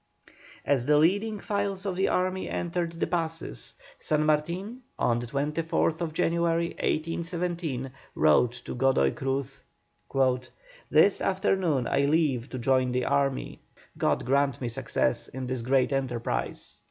As the leading files of the army entered the passes, San Martin, on the 24th January, 1817, wrote to Godoy Cruz: "This afternoon I leave to join the army. God grant me success in this great enterprise."